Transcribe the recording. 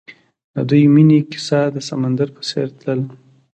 د دوی د مینې کیسه د سمندر په څېر تلله.